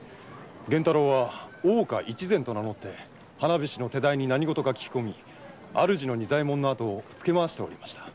源太郎は大岡一善と名乗って花菱の手代に何ごとか聞き込み仁左衛門をつけまわしていました。